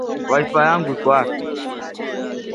Mdomo huo unaweza kuwa mpana kama kijazio hasa baharini